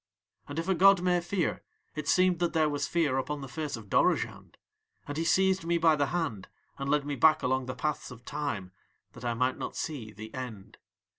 "And if a god may fear, it seemed that there was fear upon the face of Dorozhand, and he seized me by the hand and led me back along the paths of Time that I might not see THE END.